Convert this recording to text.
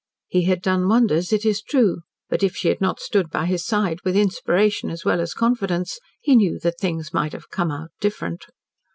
He had done wonders, it is true, but if she had not stood by his side with inspiration as well as confidence, he knew that things might have "come out different."